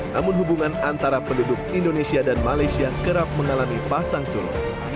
namun hubungan antara penduduk indonesia dan malaysia kerap mengalami pasang surut